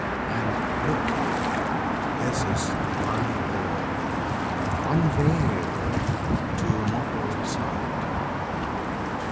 And, look! This is My glory, unveiled to mortal sight!